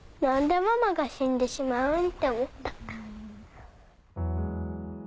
「何でママが死んでしまうん」って思った。